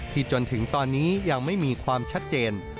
จนถึงตอนนี้ยังไม่มีความชัดเจน